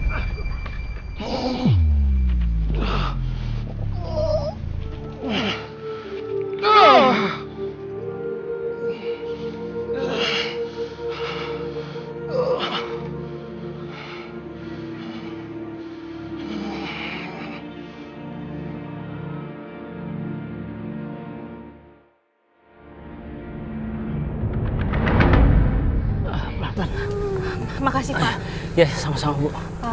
ada bagian yang sakit bu